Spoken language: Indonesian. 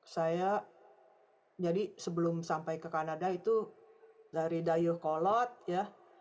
saya jadi sebelum sampai ke kanada itu dari dayuh kolot ya